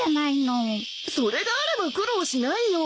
それがあれば苦労しないよ。